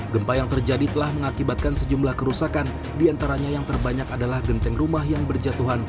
gempa yang terjadi telah mengakibatkan sejumlah kerusakan diantaranya yang terbanyak adalah genteng rumah yang berjatuhan